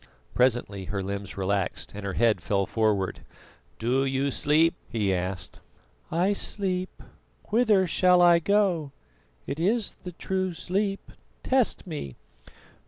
Presently her limbs relaxed, and her head fell forward. "Do you sleep?" he asked. "I sleep. Whither shall I go? It is the true sleep test me."